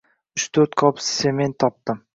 Uch-to‘rt qop tsement topdim.